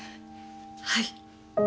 はい。